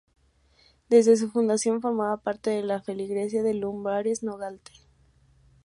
Desde su fundación, formaba parte de la feligresía de Lumbreras-Nogalte.